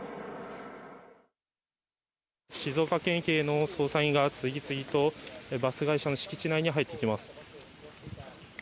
静岡県警の捜査員が次々とバス会社の敷地内に入っていきます。